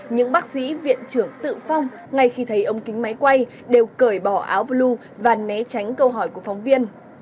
những bác sĩ viện trưởng tự phong ngay khi thấy ống kính máy quay đều cởi bỏ áo blue và né tránh câu hỏi của phóng viên